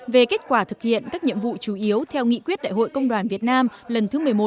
về kết quả thực hiện các nhiệm vụ chủ yếu theo nghị quyết đại hội công đoàn việt nam lần thứ một mươi một